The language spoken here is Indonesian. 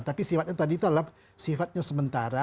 tapi sifatnya tadi itu adalah sifatnya sementara